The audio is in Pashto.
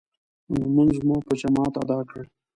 لمونځ مو په جماعت ادا کړ.